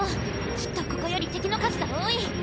きっとここより敵の数が多い！